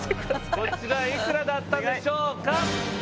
こちらいくらだったでしょうか